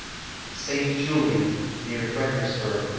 "St. JfLiEN' (near Fredericksburg), Va.